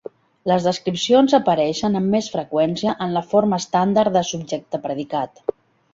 Les descripcions apareixen amb més freqüència en la forma estàndard de subjecte-predicat.